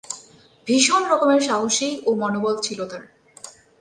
ভীষণ রকমের সাহসী ও মনোবল ছিল তার।